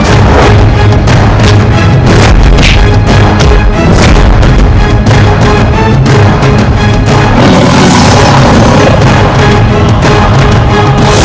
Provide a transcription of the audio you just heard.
terimakasih sudah menonton